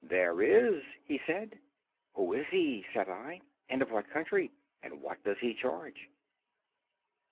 "There is," he said. "Who is he?" said I; "and of what country? and what does he charge?"